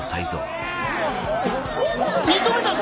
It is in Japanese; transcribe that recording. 認めたぞ！